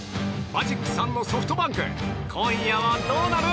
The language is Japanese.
マジック３のソフトバンク今夜はどうなる？